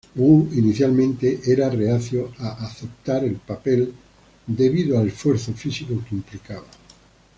Wu inicialmente estaba reacio al aceptar el papel debido al esfuerzo físico que implicaba.